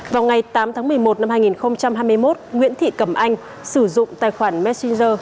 vào ngày tám tháng một mươi một năm hai nghìn hai mươi một nguyễn thị cẩm anh sử dụng tài khoản messenger